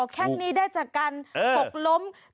อ๋อแข้งนี้ได้จากการหกล้ม